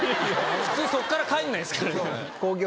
普通そこから帰らないですけどね。